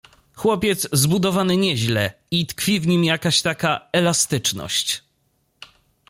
"Chłopiec zbudowany nieźle i tkwi w nim jakaś taka elastyczność."